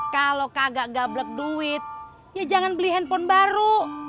kalau kagak gablek duit ya jangan beli handphone baru